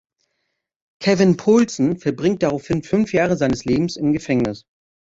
Kevin Poulsen verbringt daraufhin fünf Jahre seines Lebens im Gefängnis.